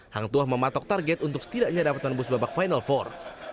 hang tuah mematok target untuk setidaknya dapat menembus babak final empat